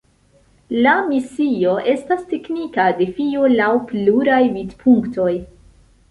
La misio estas teknika defio laŭ pluraj vidpunktoj.